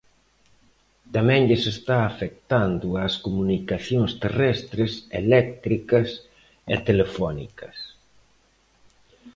Tamén lles está afectando ás comunicacións terrestres, eléctricas e telefónicas.